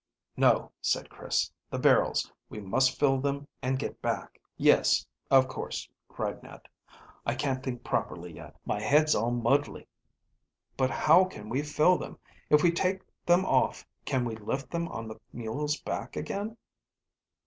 "No," said Chris; "the barrels we must fill them and get back." "Yes, of course," cried Ned. "I can't think properly yet. My head's all muddly. But how can we fill them? If we take them off can we lift them on the mule's back again?"